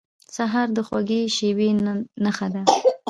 سهار د خوږې شېبې نښه ده.